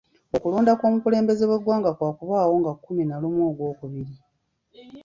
Okulonda kw'omukulembeze w'eggwanga kwakubaawo nga kkumi na lumu Ogwokubiri.